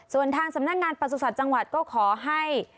ส่วนทางสำนักงานประสุทธิ์จังหวัดก็ขอให้